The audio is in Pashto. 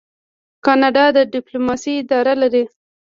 کاناډا د ډیپلوماسۍ اداره لري.